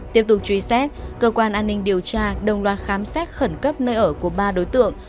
tiếp tục truy xét cơ quan an ninh điều tra đồng loạt khám xét khẩn cấp nơi ở của ba đối tượng